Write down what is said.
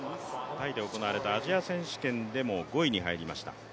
タイで行われたアジア選手権でも５位に入りました。